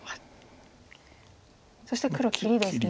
そして黒切りですね。